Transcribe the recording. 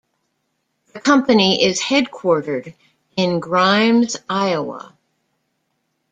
The company is headquartered in Grimes, Iowa.